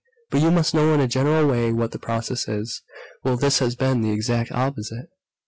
But you must know in a general way what the process is. Well, this has been the exact opposite!